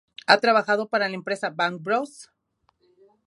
Ha trabajado para la empresa Bang Bros.